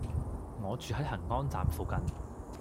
我住喺恆安站附近